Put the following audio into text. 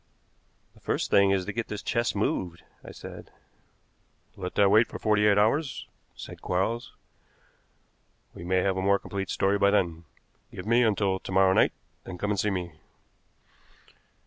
"The first thing is to get this chest moved," I said. "Let that wait for forty eight hours," said Quarles. "We may have a more complete story by then. Give me until to morrow night, then come and see me."